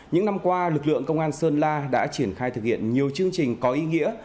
những năm qua lực lượng công an sơn la đã triển khai thực hiện nhiều chương trình có ý nghĩa